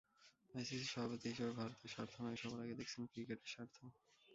ICC সভাপতি হিসেবে ভারতের স্বার্থ নয়, সবার আগে দেখেছেন ক্রিকেটের স্বার্থ।